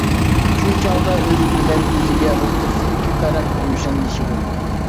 شۇ چاغدا ئۆز بىلەن ئۆزگە ئوتتۇرىسىدىكى پەرق روشەنلىشىدۇ.